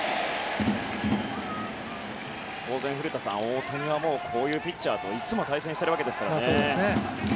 大谷はこういうピッチャーとはいつも対戦しているわけですからね。